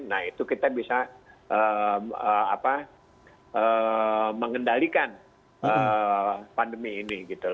nah itu kita bisa mengendalikan pandemi ini